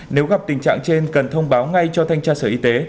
nếu gặp tình trạng trên cần thông báo ngay cho thanh tra sở y tế